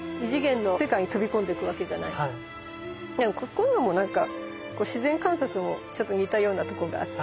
こういうのもなんか自然観察もちょっと似たようなとこがあって。